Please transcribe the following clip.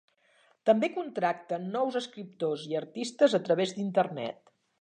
També contracten nous escriptors i artistes a través d'Internet.